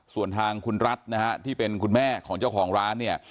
ส่วนทางคุณรัฐนะฮะที่เป็นคุณแม่ของเจ้าของร้านเนี่ย